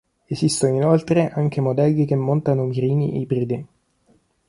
Esistono inoltre anche modelli che montano mirini ibridi.